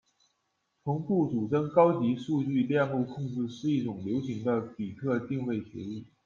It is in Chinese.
同步组帧高级数据链路控制是一种流行的比特定位协议。